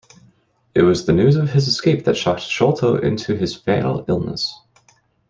It was the news of his escape that shocked Sholto into his fatal illness.